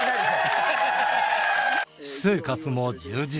私生活も充実。